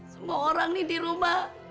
semua orang nih di rumah